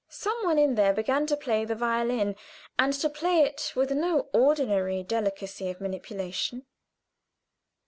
Some one in there began to play the violin, and to play it with no ordinary delicacy of manipulation.